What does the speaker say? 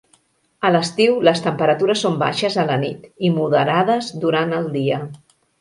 A l'estiu les temperatures són baixes a la nit i moderades durant el dia.